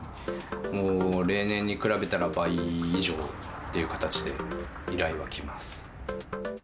もう、例年に比べたら、倍以上っていう形で依頼は来ます。